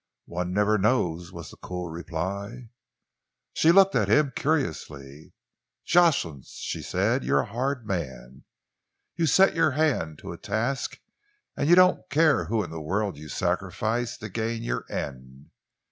"One never knows," was the cool reply. She looked at him curiously. "Jocelyn," she said, "you're a hard man. You set your hand to a task and you don't care whom in the world you sacrifice to gain your end.